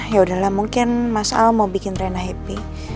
yaudah lah mungkin mas al mau bikin rena happy